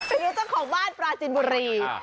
หรือเจ้าของบ้านปราจินบุรี